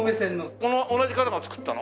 この同じ彼が作ったの？